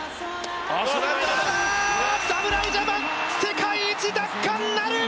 侍ジャパン、世界一奪還なる！